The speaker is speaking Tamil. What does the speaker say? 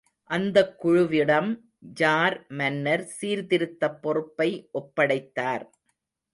அந்தக் குழுவிடம் ஜார் மன்னர் சீர்திருத்தப் பொறுப்பை ஒப்படைத்தார்.